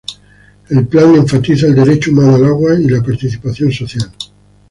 El Plan enfatiza el derecho humano al agua y la participación social.